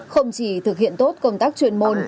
không chỉ thực hiện tốt công tác truyền môn